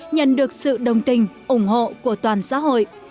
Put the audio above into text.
nhận được sự đồng tình ủng hộ của toàn xã hội